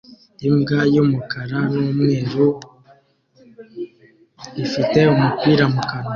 Imbwa y'umukara n'umweru ifite umupira mu kanwa